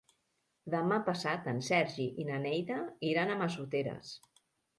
Demà passat en Sergi i na Neida iran a Massoteres.